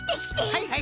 はいはい。